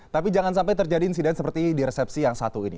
tapi jangan sampai terjadi insiden seperti di resepsi yang satu ini